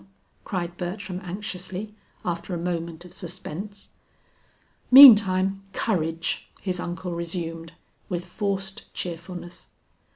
cried Bertram anxiously, after a moment of suspense. "Meantime, courage!" his uncle resumed with forced cheerfulness.